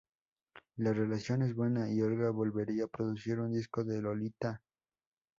La relación es buena y Olga volvería a producir un disco de Lolita No.